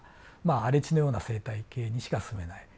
荒れ地のような生態系にしか住めない。